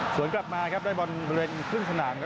สวนกลับมาครับได้บอลบริเวณครึ่งสนามครับ